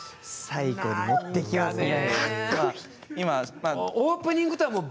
最後に持っていきますね。